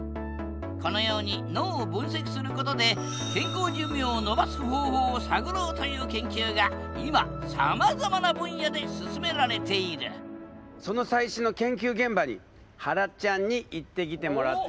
このように脳を分析することでという研究が今さまざまな分野で進められているその最新の研究現場にはらちゃんに行ってきてもらったよ。